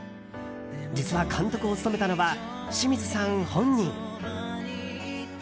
実は、監督を務めたのは清水さん本人。